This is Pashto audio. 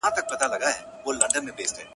خو باور ستا په ورورۍ به څنگه وکړم!!